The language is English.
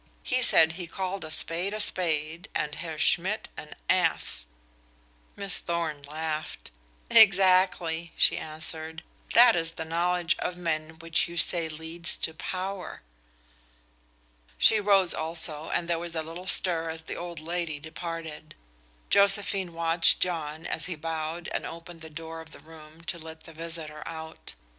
"He said he called a spade a spade, and Herr Schmidt an ass." Miss Thorn laughed. "Exactly," she answered, "that is the knowledge of men which you say leads to power." She rose also, and there was a little stir as the old lady departed. Josephine watched John as he bowed and opened the door of the room to let the visitor out.